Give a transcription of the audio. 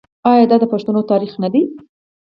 آیا دا د پښتنو تاریخ نه دی؟